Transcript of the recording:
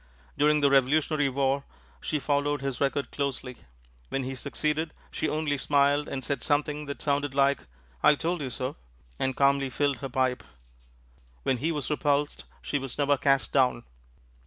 During the Revolutionary War she followed his record closely: when he succeeded she only smiled, said something that sounded like "I told you so," and calmly filled her pipe; when he was repulsed she was never cast down.